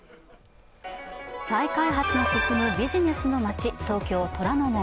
再開発の進むビジネスの街東京・虎ノ門。